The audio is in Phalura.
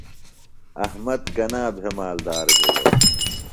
احمد کنا بھےۡ مالدار بِھلوۡ؟